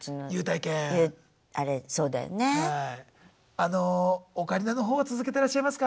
あのオカリナの方は続けてらっしゃいますか？